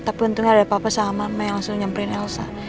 tapi untungnya ada apa apa sama mama yang langsung nyamperin elsa